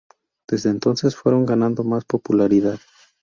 Desde entonces, fueron ganando más popularidad.